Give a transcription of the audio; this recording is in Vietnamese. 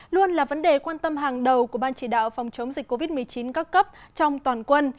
luôn là vấn đề quan tâm hàng đầu của ban chỉ đạo phòng chống dịch covid một mươi chín các cấp trong toàn quân